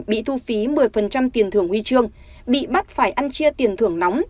bị thu phí một mươi tiền thưởng huy chương bị bắt phải ăn chia tiền thưởng nóng